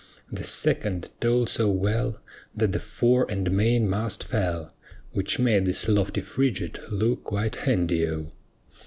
The second told so well That the fore and main mast fell, Which made this lofty frigate look quite handy O.